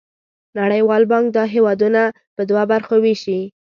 نړیوال بانک دا هېوادونه په دوه برخو ویشي.